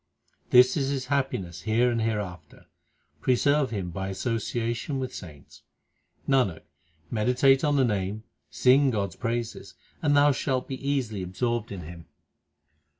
This is his happiness here and hereafter ; preserve him by association with saints. Nanak, meditate on the Name, sing God s praises, and thou shalt be easily absorbed in Him.